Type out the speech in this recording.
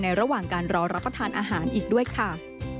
ระหว่างการรอรับประทานอาหารอีกด้วยค่ะ